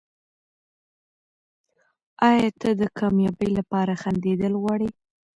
ایا ته د کامیابۍ لپاره خندېدل غواړې؟